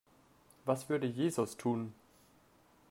Was würde Jesus tun?